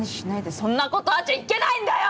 そんなことあっちゃいけないんだよ！